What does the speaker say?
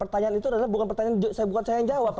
pertanyaan itu adalah bukan pertanyaan saya yang jawab